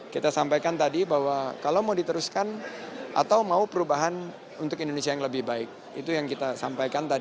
kita sampaikan tadi bahwa kalau mau diteruskan atau mau perubahan untuk indonesia yang lebih baik itu yang kita sampaikan